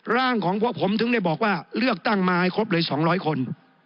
ร่างของพวกผมถึงได้บอกว่าเลือกตั้งมาให้ครบเลย๒๐๐คน